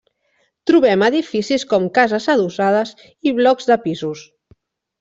Trobem edificis com cases adossades i blocs de pisos.